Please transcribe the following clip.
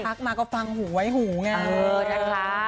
พักมาก็ฟังหูไว้หูไง